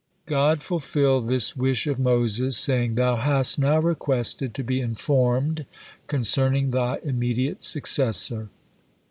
God fulfilled this wish of Moses, saying: "Thou hast now requested to be informed concerning thy immediate successor.